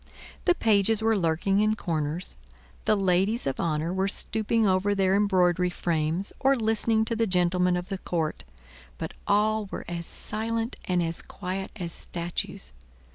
The pages were lurking in corners, the ladies of honor were stooping over their embroidery frames or listening to the gentlemen of the court; but all were as silent and as quiet as statues.